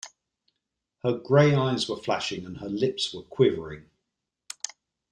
Her gray eyes were flashing, and her lips were quivering.